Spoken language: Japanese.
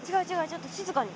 ちょっと静かに。